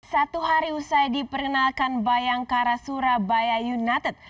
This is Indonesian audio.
satu hari usai diperkenalkan bayangkara surabaya united